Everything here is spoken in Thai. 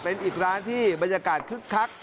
เป็นอีกร้านที่บรรยากาศคึกคัก